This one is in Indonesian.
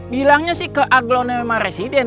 bilangnya sih ke aglonema residen